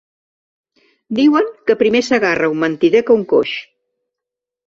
Diuen que primer s’agarra un mentider que un coix.